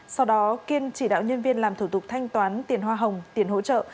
sau đó kiên chỉ đạo nhân viên làm thủ tục thanh toán tiền hoa hồng tiền hỗ trợ